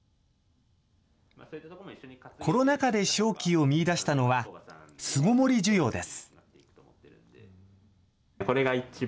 コロナ禍で商機を見いだしたのは、巣ごもり需要です。